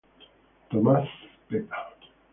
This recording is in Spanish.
Tomasz Peta.